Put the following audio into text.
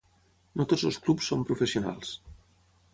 No tots els clubs són professionals.